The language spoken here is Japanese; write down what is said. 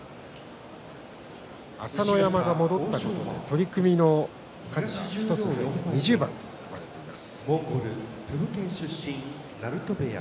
朝乃山が戻ったことで取組の数が１つ増えて２０番組まれています。